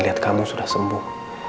lihat kamu sudah sembuh